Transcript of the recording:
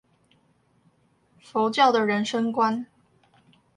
佛教的人生觀